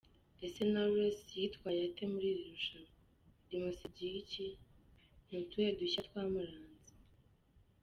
Ese Knowless yitwaye ate muri iri rushanwa? Rimusigiye iki? Ni utuhe dushya twamuranze?.